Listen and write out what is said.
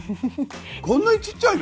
こんなにちっちゃいの？